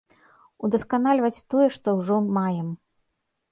Удасканальваць тое, што ўжо маем.